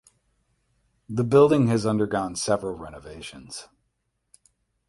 The building has undergone several renovations.